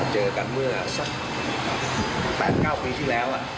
เจอกันเมื่อสัก๘๙ปีที่แล้ว